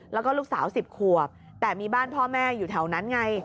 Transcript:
แล้วก็ลูกสาว๑๐ขวบแต่มีบ้านพ่อแม่อยู่แถวนั้นไง